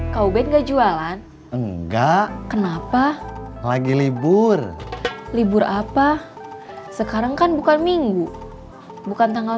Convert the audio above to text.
kau ben enggak jualan enggak kenapa lagi libur libur apa sekarang kan bukan minggu bukan tanggal